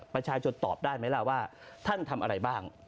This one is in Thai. ประชาชนตอบได้ไหมล่ะว่าท่านทำอะไรบ้าง